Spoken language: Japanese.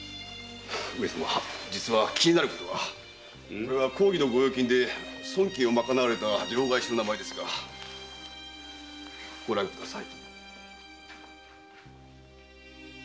これは公儀の御用金で損金を賄われた両替商の名前ですがご覧ください。